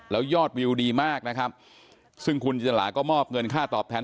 แล้วยอดวิวดีมากนะครับซึ่งคุณจินตราก็มอบเงินค่าตอบแทน